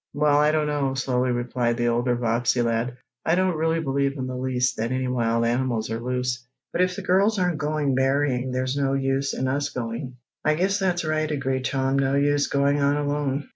"Well, I don't know," slowly replied the older Bobbsey lad. "I don't really believe in the least that any wild animals are loose, but if the girls aren't going berrying there's no use in us going." "I guess that's right," agreed Tom. "No use going on alone."